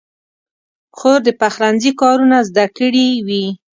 خور د پخلنځي کارونه زده کړي وي.